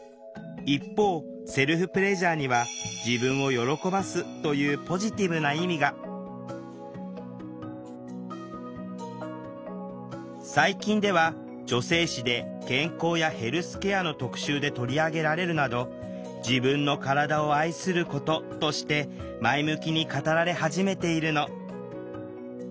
一方セルフプレジャーには「自分を喜ばす」というポジティブな意味が最近では女性誌で健康やヘルスケアの特集で取り上げられるなど「自分の体を愛すること」として前向きに語られ始めているの。